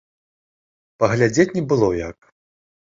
Паглядзець не было як.